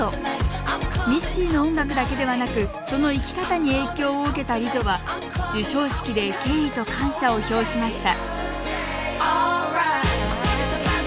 ミッシーの音楽だけではなくその生き方に影響を受けたリゾは授賞式で敬意と感謝を表しました